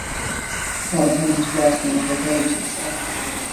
"Klonopin was worse than the cocaine," she has said.